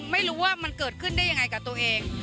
ไม่รู้ว่ามันเกิดขึ้นได้ยังไงกับตัวเอง